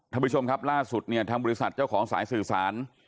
ท่านผู้ชมครับล่าสุดเนี่ยทางบริษัทเจ้าของสายสื่อสาร